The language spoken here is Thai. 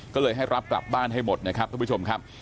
ก็เลยให้รับกลับบ้านให้หมดนะครับทุกผู้ชมครับ